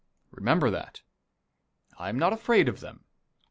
Remember that. I am not afraid of them.